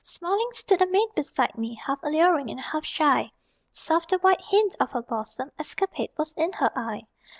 Smiling stood a maid beside me, Half alluring and half shy; Soft the white hint of her bosom Escapade was in her eye.